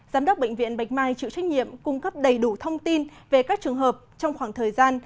giám đốc bệnh viện bạch mai chịu trách nhiệm cung cấp đầy đủ thông tin về các trường hợp trong khoảng thời gian